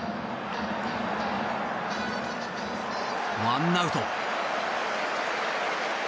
ワンアウト。